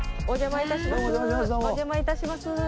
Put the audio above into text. お邪魔致します。